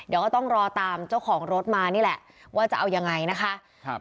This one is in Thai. เดี๋ยวก็ต้องรอตามเจ้าของรถมานี่แหละว่าจะเอายังไงนะคะครับ